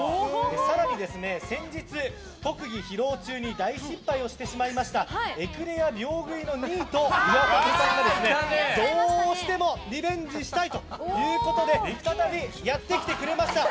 更に先日、特技披露中に大失敗をしてしまったエクレア秒食いのニート岩本さんがどうしてもリベンジしたいということで再びやってきてくれました。